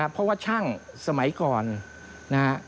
เพราะว่าช่างสมัยก่อนนะฮะ